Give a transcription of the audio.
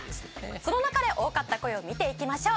その中で多かった声を見ていきましょう。